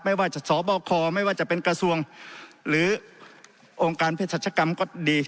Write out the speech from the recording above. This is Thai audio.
ไม่ว่าจะสบคไม่ว่าจะเป็นกระทรวงหรือองค์การเพศรัชกรรมก็ดี